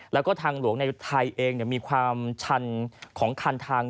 แล้วก็ทางหลวงในไทยเองมีความชันของคันทาง